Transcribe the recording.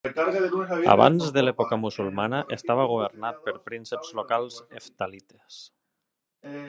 Abans de l'època musulmana estava governat per prínceps locals heftalites.